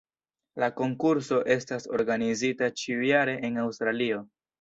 La konkurso estas organizita ĉiujare en Aŭstralio.